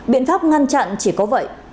biện pháp ngăn chặn chỉ có vậy